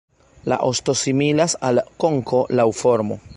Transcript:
La osto similas al konko laŭ formo.